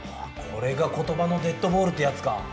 これが言葉のデッドボールってやつか！